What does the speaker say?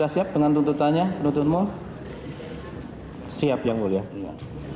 siap yang mulia